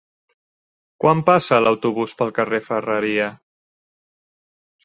Quan passa l'autobús pel carrer Ferreria?